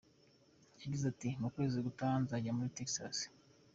Yagize ati :”Mu kwezi gutaha nzajya muri Texas.